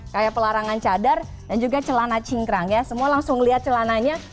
kayak pelarangan cadar dan juga celana cingkrang ya semua langsung lihat celananya